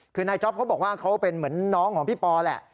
คือนายจ๊อปเขาบอกว่าเขาเป็นเหมือนน้องของพี่ปอแหละ